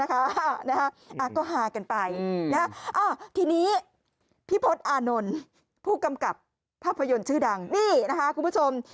ก็ฮากันไปทีนี้พี่พศอานนท์ผู้กำกับภาพยนตร์ชื่อดังนี่นะคะคุณผู้ชม